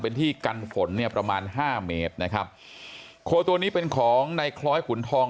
เป็นที่กันฝนเนี่ยประมาณห้าเมตรนะครับโคตัวนี้เป็นของในคล้อยขุนทอง